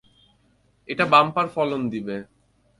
এটা বাম্পার ফলন দিবে।